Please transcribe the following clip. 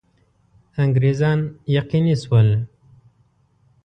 انګرېزان یقیني شول.